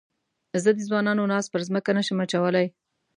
زه د ځوانانو ناز پر مځکه نه شم اچولای.